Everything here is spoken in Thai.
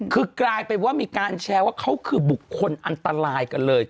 คือกลายเป็นว่ามีการแชร์ว่าเขาคือบุคคลอันตรายกันเลย